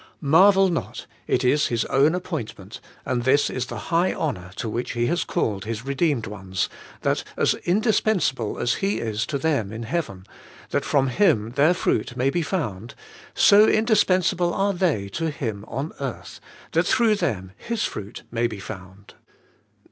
Marvel not! It is His own appointment; and this is the high honour to which He has called His re deemed ones, that as indispensable as He is to them in heaven, that from Him their fruit may be found, so indispensable are they to Him on earth, that through them His fruit may be found.